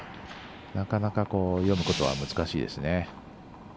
なかなか、読むことは難しいですね。